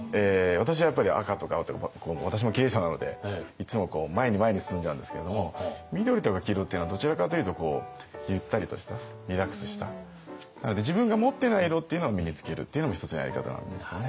私はやっぱり赤とか青とか私も経営者なのでいつも前に前に進んじゃうんですけれども緑とか黄色っていうのはどちらかというとゆったりとしたリラックスしたなので自分が持ってない色っていうのを身に着けるっていうのも一つのやり方なんですよね。